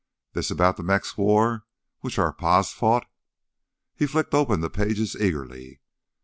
This about the Mex War which our pa's fought?" He flicked open the pages eagerly.